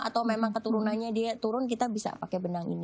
atau memang keturunannya dia turun kita bisa pakai benang ini